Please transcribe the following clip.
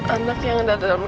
anak yang ada dalam